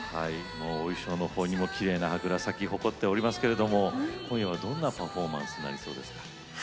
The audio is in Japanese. お衣装の方にもきれいな桜咲き誇っておりますけれども今夜はどんなパフォーマンスになりそうですか？